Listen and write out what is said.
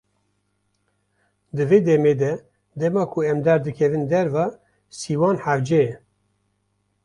Di vê demê de dema ku em derkevin derve, sîwan hewce ye.